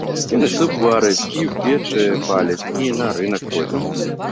Ён і суп варыць, і ў печы паліць, і на рынак ходзіць.